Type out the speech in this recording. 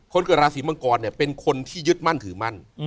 เกิดราศีมังกรเป็นคนที่ยึดมั่นถือมั่น